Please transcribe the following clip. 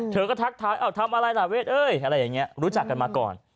เธอก็ทักทายทำอะไรล่ะเวทเอ้ยอะไรอย่างนี้รู้จักกันมาก่อน